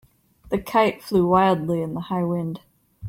The kite flew wildly in the high wind.